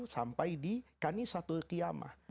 sampai di kani satul qiyamah